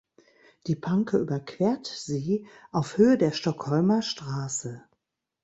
Die Panke überquert sie auf Höhe der Stockholmer Straße.